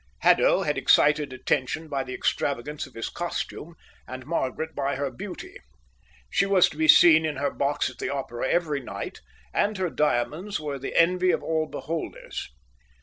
Haddo had excited attention by the extravagance of his costume, and Margaret by her beauty; she was to be seen in her box at the opera every night, and her diamonds were the envy of all beholders.